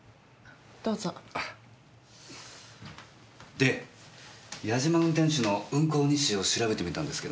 で八嶋運転手の運行日誌を調べてみたんですけどね